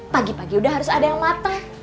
pagi pagi udah harus ada yang matang